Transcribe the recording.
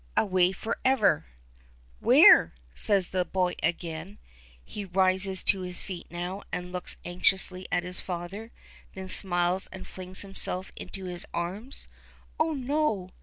"Away. Forever." "Where?" says the boy again. He rises to his feet now, and looks anxiously at his father; then he smiles and flings himself into his arms. "Oh, no!"